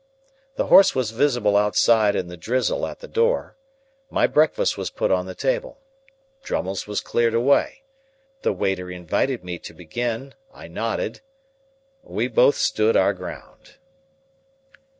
The horse was visible outside in the drizzle at the door, my breakfast was put on the table, Drummle's was cleared away, the waiter invited me to begin, I nodded, we both stood our ground.